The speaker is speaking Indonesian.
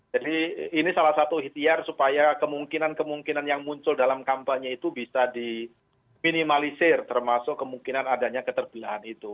jadi ini salah satu ihtiar supaya kemungkinan kemungkinan yang muncul dalam kampanye itu bisa di minimalisir termasuk kemungkinan adanya keterbelahan itu